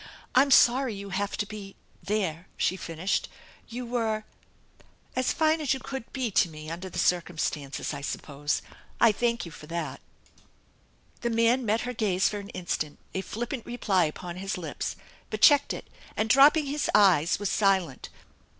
" I'm sorry you have to be there," she finished. a You S86 THE ENCHANTED BARN were as fine as you could be to me under the circumstances, I suppose ! I thank you for that." The man met her gaze for an instant, a flippant reply upon his lips, but checked it and dropping his eyes, was silent.